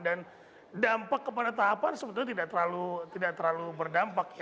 dan dampak kepada tahapan sebenarnya tidak terlalu berdampak